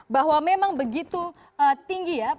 bahwa memang begitu tinggi ya